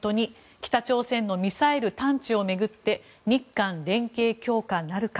北朝鮮のミサイル探知を巡って日韓連携強化なるか。